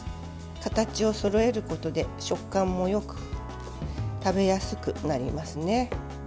形をそろえることで食感もよく食べやすくなりますね。